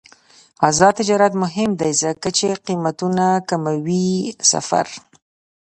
آزاد تجارت مهم دی ځکه چې قیمتونه کموي سفر.